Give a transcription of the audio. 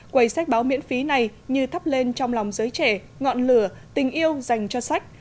quầy sách báo miễn phí này như thắp lên trong lòng giới trẻ ngọn lửa tình yêu dành cho sách